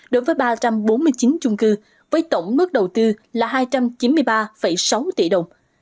đối với ba trăm bốn mươi chín chung cư với tổng mức đầu tư là hai trăm chín mươi ba sáu tỷ đồng